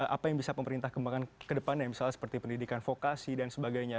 apa yang bisa pemerintah kembangkan ke depannya misalnya seperti pendidikan vokasi dan sebagainya